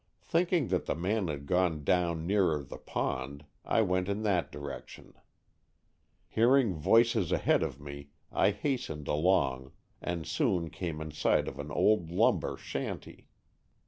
Thinking that the man had gone down nearer the pond, I went in that direction. Hearing voices ahead of me I hastened along and soon came in sight of an old lumber shanty.